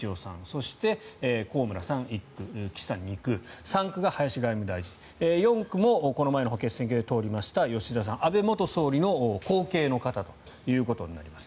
そして、高村さん、１区岸さんが２区３区が林外務大臣４区もこの間の補欠選挙で通りました吉田さん、安倍元総理の後継の方ということになります。